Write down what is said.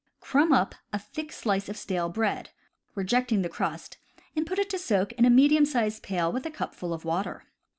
Crumb up a thick slice of stale bread, rejecting the crust, and put it to soak in a medium sized pail with a cupful of water.